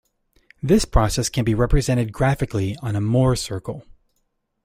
This process can be represented graphically on a Mohr's circle.